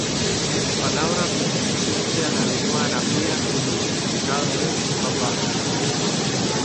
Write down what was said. Palabra perteneciente a la lengua aramea cuyo significado es 'papá'.